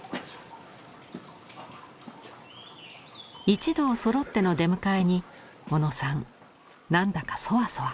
一同そろっての出迎えに小野さん何だかそわそわ。